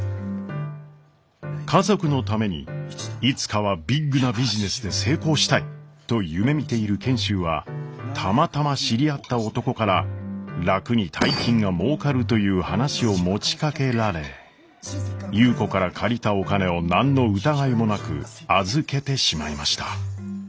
家族のためにいつかはビッグなビジネスで成功したいと夢みている賢秀はたまたま知り合った男から楽に大金がもうかるという話を持ちかけられ優子から借りたお金を何の疑いもなく預けてしまいました。